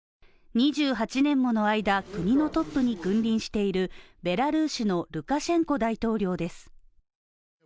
２８年もの間、国のトップに君臨しているベラルーシのルカシェンコ大統領です。